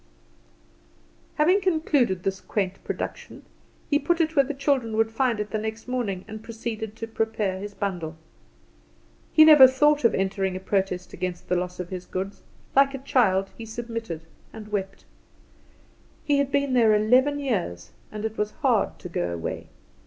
Having concluded this quaint production, he put it where the children would find it the next morning, and proceeded to prepare his bundle. He never thought of entering a protest against the loss of his goods; like a child, he submitted, and wept. He had been there eleven years, and it was hard to go away.